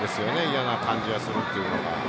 嫌な感じがするっていうのは。